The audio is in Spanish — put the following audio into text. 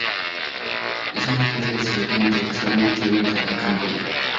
Es una especie de serpiente que solamente habita en Camboya.